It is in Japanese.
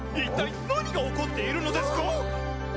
一体何が起こっているのですか！？